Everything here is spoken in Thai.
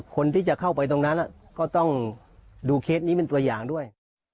คนที่จะเข้าไปตรงนั้นก็ต้องดูเคสนี้เป็นตัวอย่างด้วย